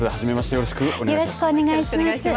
よろしくお願いします。